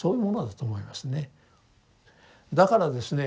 だからですね